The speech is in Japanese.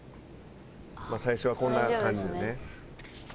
まあ最初はこんな感じだよね。